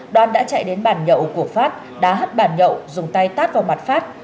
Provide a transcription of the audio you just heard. đoan đã chạy đến bàn nhậu của phát đã hắt bàn nhậu dùng tay tát vào mặt phát